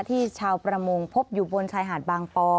ชาวประมงพบอยู่บนชายหาดบางปอ